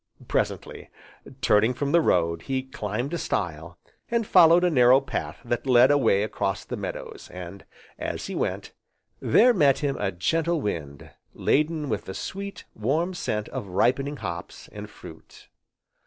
Presently, turning from the road, he climbed a stile, and followed a narrow path that led away across the meadows, and, as he went, there met him a gentle wind laden with the sweet, warm scent of ripening hops, and fruit.